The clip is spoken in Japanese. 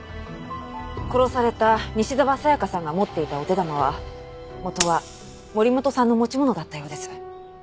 殺された西沢紗香さんが持っていたお手玉は元は森本さんの持ち物だったようです。